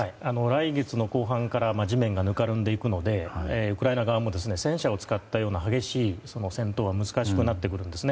来月の後半から地面がぬかるんでいくのでウクライナ側も戦車を使った激しい戦闘は難しくなるんです。